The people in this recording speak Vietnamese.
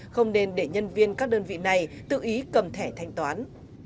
không nên để nhân viên các đơn vị này tự ý cầm thẻ thanh toán